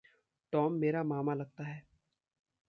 Tom मेरा मामा लगता है।